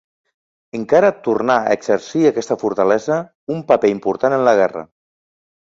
Encara tornà a exercir aquesta fortalesa un paper important en la guerra.